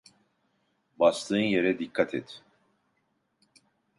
Bastığın yere dikkat et.